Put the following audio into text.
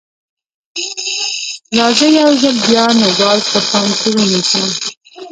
راځئ یو ځل بیا نوګالس په پام کې ونیسو.